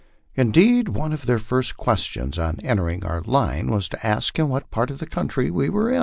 Indeed, one of their first questions on entering our lines was to ask in what part of the country we were.